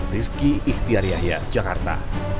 rizky ihtiariahia jakarta